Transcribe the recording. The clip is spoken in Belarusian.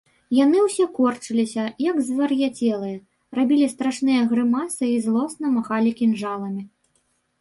Яны ўсе корчыліся, як звар'яцелыя, рабілі страшныя грымасы і злосна махалі кінжаламі.